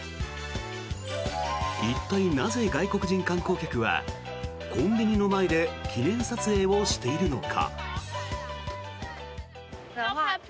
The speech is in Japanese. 一体なぜ外国人観光客はコンビニの前で記念撮影をしているのか。